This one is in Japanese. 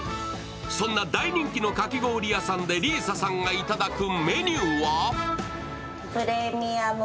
そんな大人気のかき氷屋さんで里依紗さんがいただくメニューは？